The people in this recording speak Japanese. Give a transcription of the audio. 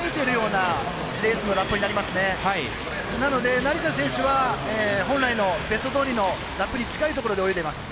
なので成田選手は本来のベストどおりのラップに近いところで泳いでいます。